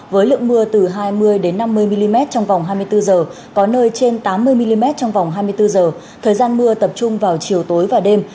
với lượng mưa từ hai mươi năm mươi mm trong vòng hai mươi bốn h có nơi trên tám mươi mm trong vòng hai mươi bốn h thời gian mưa tập trung vào chiều tối và đêm